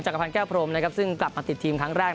พันธแก้วพรมนะครับซึ่งกลับมาติดทีมครั้งแรก